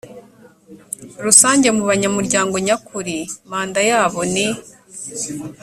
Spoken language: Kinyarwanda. rusange mu banyamuryango nyakuri manda yabo ni